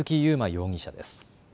容疑者です。